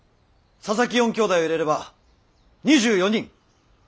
佐々木４兄弟を入れれば２４人。